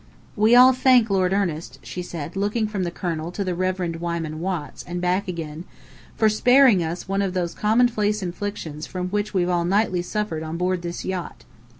"We all thank Lord Ernest," she said, looking from the colonel to the Reverend Wyman Watts, and back again, "for sparing us one of those commonplace inflictions from which we've nightly suffered on board this yacht.